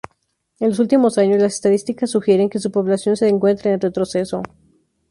En los últimos años las estadísticas sugieren que su población se encuentra en retroceso.